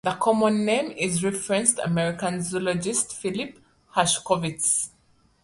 The common name is a reference to American zoologist Philip Hershkovitz.